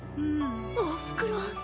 おふくろ。